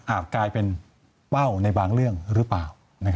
กลายเป็นเป้าในบางเรื่องหรือเปล่า